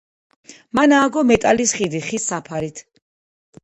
მან ააგო მეტალის ხიდი ხის საფარით.